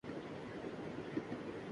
دفاع پہ دھیان بہت ہو گیا۔